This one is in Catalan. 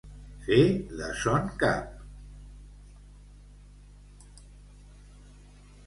Fer de son cap.